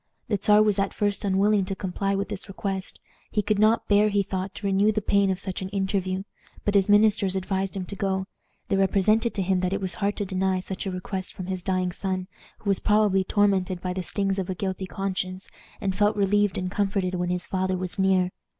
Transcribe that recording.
The Czar was at first unwilling to comply with this request. He could not bear, he thought, to renew the pain of such an interview. But his ministers advised him to go. They represented to him that it was hard to deny such a request from his dying son, who was probably tormented by the stings of a guilty conscience, and felt relieved and comforted when his father was near.